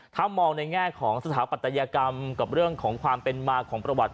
ถ้ามองในแง่ของสถาปัตยกรรมกับเรื่องของความเป็นมาของประวัติ